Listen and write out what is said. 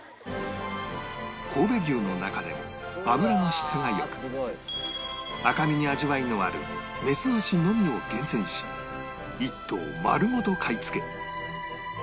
神戸牛の中でも脂の質が良く赤身に味わいのある雌牛のみを厳選し一頭丸ごと買い付け